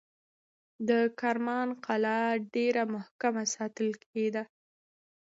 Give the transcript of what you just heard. د کرمان قلعه ډېر محکم ساتل کېده.